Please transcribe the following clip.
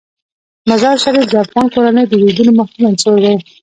مزارشریف د افغان کورنیو د دودونو مهم عنصر دی.